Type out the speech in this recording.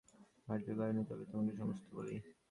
রাজা কহিলেন, তবে তোমাকে সমস্ত বলি।